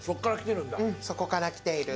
「うんそこからきている。